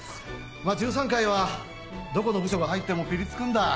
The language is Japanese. １３階はどこの部署が入ってもピリつくんだ。